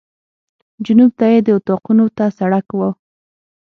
جنوب ته یې د اطاقونو ته سړک و.